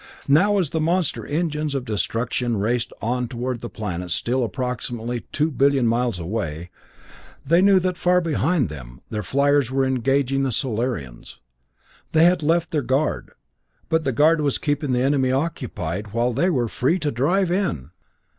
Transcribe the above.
Now, as the monster engines of destruction raced on toward the planets still approximately two billion miles away, they knew that, far behind them, their fliers were engaging the Solarians. They had left their guard but the guard was keeping the enemy occupied while they were free to drive in!